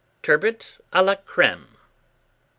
TURBOT A LA CREME. 341.